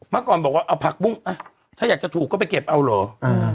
มาก่อนบอกว่าเอาผักมุ้งถ้าอยากทำถูกออกก็ไปเก็บเอาหรือ